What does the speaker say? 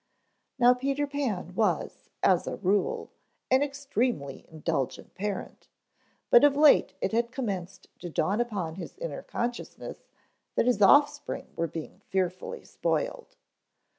Now Peter Pan was, as a rule, an extremely indulgent parent, but of late it had commenced to dawn upon his inner consciousness that his offspring were being fearfully spoiled.